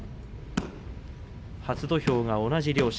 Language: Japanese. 初土俵が同じ両者。